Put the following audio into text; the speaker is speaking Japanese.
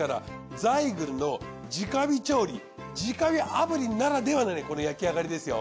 ザイグルの直火調理直火炙りならではのこの焼き上がりですよ。